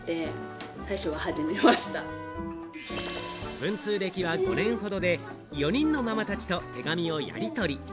文通歴は５年ほどで、４人のママたちと手紙をやりとり。